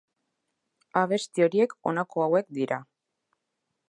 Abesti horiek honako hauek dira.